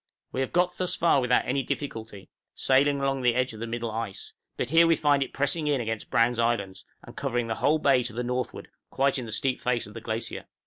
} We have got thus far without any difficulty, sailing along the edge of the middle ice; but here we find it pressing in against Browne's Islands, and covering the whole bay to the northward, quite in the steep face of the glacier.